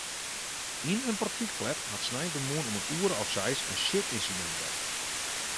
Yn in portykflat hat sneintemoarn om in oere of seis in sjitynsidint west.